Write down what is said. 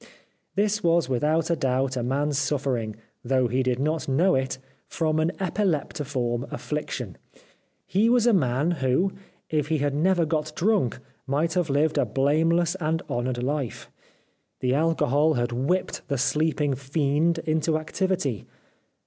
This was with out a doubt a man suffering, though he did not know it, from an epileptiform affliction. He was a man who if he had never got drunk might have lived a blameless and honoured life. The alcohol had whipped the sleeping fiend into activity.